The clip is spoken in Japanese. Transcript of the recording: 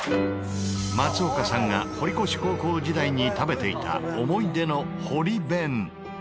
松岡さんが堀越高校時代に食べていた思い出の堀弁。